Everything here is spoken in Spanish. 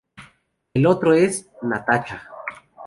El otro es "Natacha".